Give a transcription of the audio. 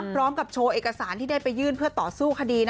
พร้อมกับโชว์เอกสารที่ได้ไปยื่นเพื่อต่อสู้คดี